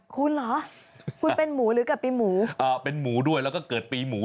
คุณเหรอคุณเป็นหมูหรือเกิดปีหมูเป็นหมูด้วยแล้วก็เกิดปีหมู